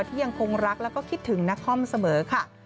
ที่ยังคงรักแล้วก็คิดถึงนักคอมเสมอค่ะ